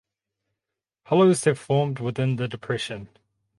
Hollows have formed within the depression.